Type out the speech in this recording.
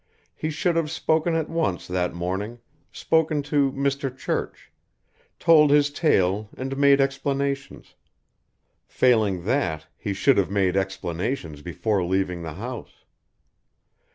He should have spoken at once that morning, spoken to "Mr. Church," told his tale and made explanations, failing that he should have made explanations before leaving the house.